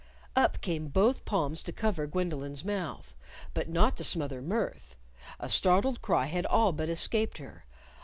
Up came both palms to cover Gwendolyn's mouth. But not to smother mirth. A startled cry had all but escaped her.